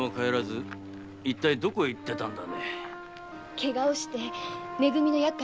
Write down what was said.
ケガをしてめ組のケガ？